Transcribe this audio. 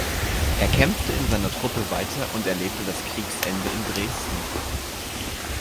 Er kämpfte in seiner Truppe weiter und erlebte das Kriegsende in Dresden.